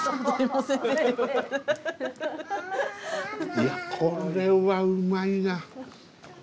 いやこれはうまいな。